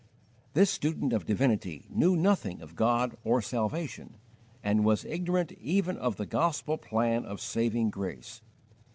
This student of divinity knew nothing of God or salvation, and was ignorant even of the gospel plan of saving grace.